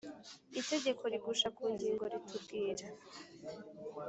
Itegeko rigusha ku ngingo ritubwira.